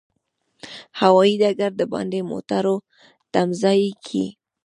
هوایي ډګر د باندې موټرو تمځای کې.